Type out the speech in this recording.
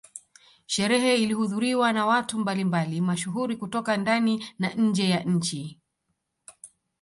Sherehe ilihudhuriwa na watu mbali mbali mashuhuri kutoka ndani na nje ya nchini